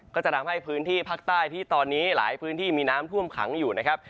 ก็จะทำให้พื้นที่ภาคใต้ที่ตอนนี้หลายพื้นที่มีน้ำท่วมขังอยู่นะครับ